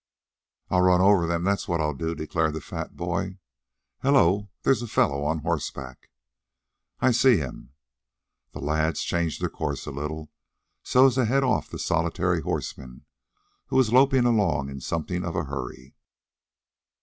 "I'll run over them, that's what I'll do," declared the fat boy. "Hello, there's a fellow on horseback." "I see him." The lads changed their course a little so as to head off the solitary horseman, who was loping along in something of a hurry.